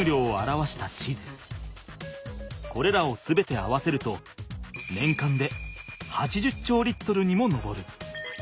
これらを全て合わせると年間で８０兆Ｌにも上る。